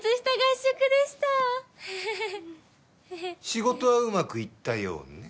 仕事はうまくいったようね。